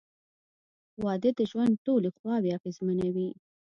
• واده د ژوند ټولې خواوې اغېزمنوي.